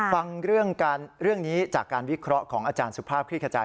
ฟังเรื่องนี้จากการวิเคราะห์ของอาจารย์สุภาพคลี่ขจาย